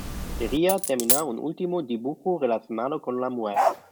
Quería terminar un último dibujo relacionado con la muerte.